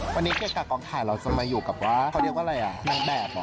วันนี้เจอกับกองถ่ายเราจะมาอยู่กับว่าเขาเรียกว่าอะไรอ่ะนางแบบเหรอ